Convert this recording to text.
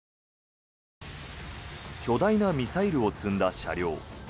巨大なミサイルを積んだ車両。